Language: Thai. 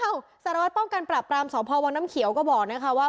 สารวัตรป้องกันปราบปรามสพวังน้ำเขียวก็บอกนะคะว่า